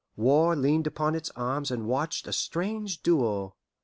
War leaned upon its arms and watched a strange duel.